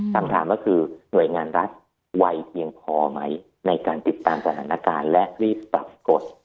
คำถามก็คือหน่วยงานรัฐไวเพียงพอไหมในการติดตามสถานการณ์และรีบปรับกฎ